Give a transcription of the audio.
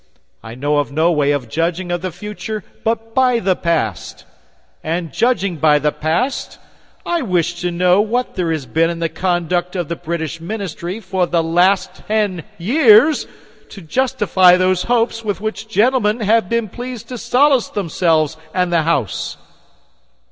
I know of no way of judging of the future but by the past. And judging by the past, I wish to know what there has been in the conduct of the British ministry for the last ten years to justify those hopes with which gentlemen have been pleased to solace themselves and the House.